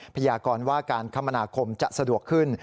พยากรว่าการคมนาคมจะสะดวกขึ้น